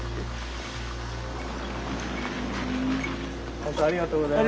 本当ありがとうございました。